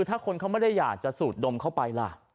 ถ้าคนเขาไม่ได้อยากจะสูดดมเข้าไปล่ะ